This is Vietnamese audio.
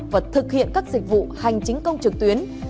và thực hiện các dịch vụ hành chính công trực tuyến